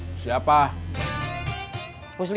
bos ada yang nyari